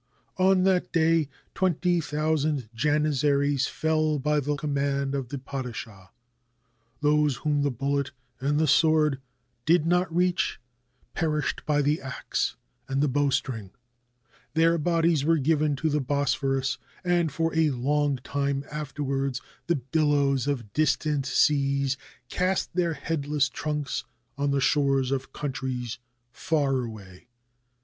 On that day twenty thousand Janizaries fell by the command of the padishah. Those whom the bullet and the sword did not reach perished by the axe and the bowstring. Their bodies were given to the Bosphorus, and for a long time afterwards the billows of distant seas cast their headless trunks on the shores of coun tries far away.